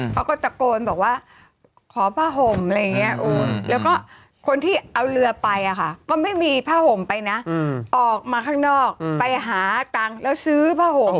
แล้วก็คนที่เอาเรือไปก็ไม่มีผ้าห่มไปนะออกมาข้างนอกไปหาตังค์แล้วซื้อผ้าห่ม